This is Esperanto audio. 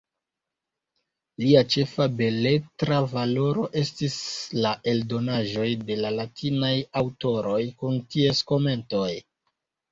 Lia ĉefa beletra valoro estis la eldonaĵoj de la latinaj aŭtoroj kun ties komentoj.